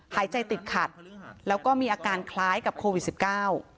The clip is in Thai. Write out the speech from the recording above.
หายใจติดขัดแล้วก็มีอาการคล้ายกับโควิดสิบเก้า